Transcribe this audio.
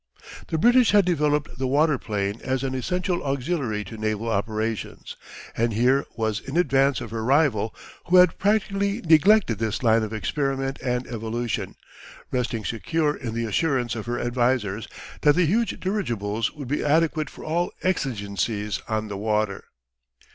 The British had developed the waterplane as an essential auxiliary to naval operations, and here was in advance of her rival, who had practically neglected this line of experiment and evolution, resting secure in the assurance of her advisers that the huge dirigibles would be adequate for all exigencies on the water.